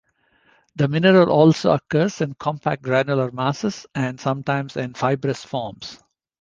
The mineral also occurs in compact granular masses, and sometimes in fibrous forms.